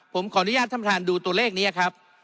ผมขออนุญาตท่านดูตัวเลขนี้ครับ